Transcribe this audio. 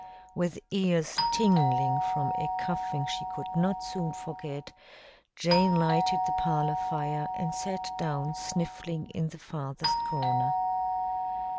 With ears tingling from a cuffing she could not soon forget, Jane lighted the parlor fire and sat down sniffling in the farthest corner.